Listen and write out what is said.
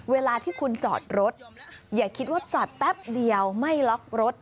เวลาที่คุณจอดรถอย่าคิดว่าจอดแป๊บเดียวไม่ล็อกรถ